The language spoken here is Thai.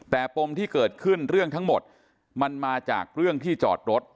แต่ปมที่เกิดขึ้นเรื่องทั้งหมดมันมาจากเรื่องที่จอดรถ